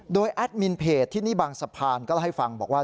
โดยแอดมินเพจที่นี่บางสะพานก็เล่าให้ฟังบอกว่า